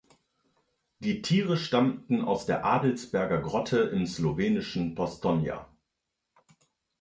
Die Tiere stammten aus der Adelsberger Grotte im slowenischen Postojna.